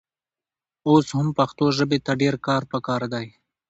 اوس هم پښتو ژبې ته ډېر کار پکار دی.